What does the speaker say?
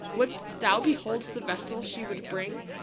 "Wouldst thou behold the vessel she would bring?